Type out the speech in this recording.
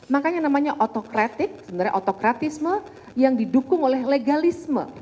makanya namanya otokratik sebenarnya otokratisme yang didukung oleh legalisme